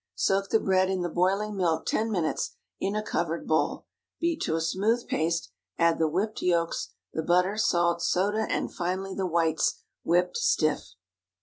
Soak the bread in the boiling milk ten minutes, in a covered bowl. Beat to a smooth paste; add the whipped yolks, the butter, salt, soda, and finally the whites, whipped stiff.